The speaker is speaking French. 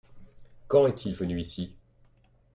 Quand est-il venu ici ?